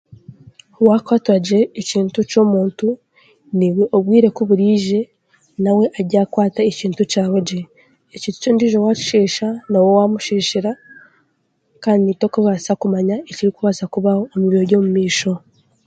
Wakwata gye ekintu ky'omuntu niiwe obwiire kuburaije naawe aryakwata ekintu kyawe gye, ekintu ky'ondiijo waakishiisha nooba waamusiisira kandi tokuubasa kumanya ekirikubasa kubaho omu biro by'omu maisho.